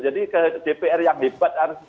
jadi ke dpr yang hebat